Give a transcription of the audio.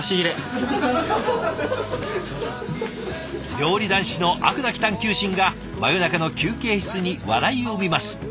料理男子の飽くなき探求心が真夜中の休憩室に笑いを生みます。